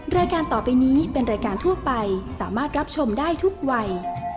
รายการต่อไปนี้เป็นรายการทั่วไปสามารถรับชมได้ทุกวัย